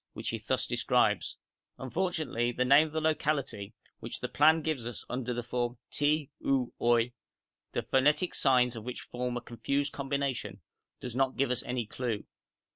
which he thus describes: 'Unfortunately, the name of the locality, which the plan gives us under the form Ti, ou, oi, the phonetic signs of which form a confused combination, does not give us any clue.